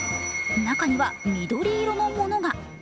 中には緑色のものが。